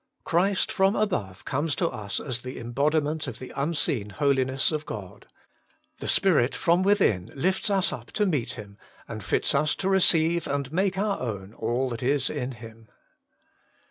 Christ from above comes to us as the embodiment of the Unseen Holiness of God: the Spirit from within lifts us up to meet Him, and fits us to receive and make our own all that is in Him.